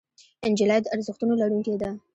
نجلۍ د ارزښتونو لرونکې ده.